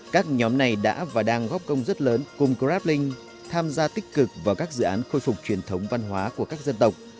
các nhóm này đã và đang góp công rất lớn cùng grablink tham gia tích cực vào các dự án khôi phục truyền thống văn hóa của các dân tộc